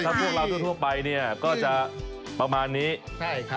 ถ้าพวกเราทั่วไปเนี่ยก็จะประมาณนี้